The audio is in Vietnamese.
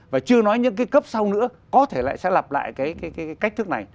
và chưa nói những cái cấp sau nữa có thể lại sẽ lặp lại cái cách thức này